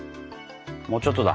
もうちょっとだ。